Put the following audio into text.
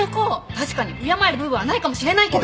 確かに敬える部分はないかもしれないけど。